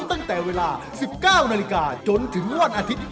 ตั้งแต่เวลา๑๙นาฬิกาจนถึงวันอาทิตย์